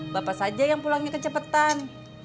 bapak saja yang pulangnya kecepatan